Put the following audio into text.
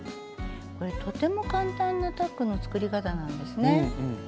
これとても簡単なタックの作り方なんですね。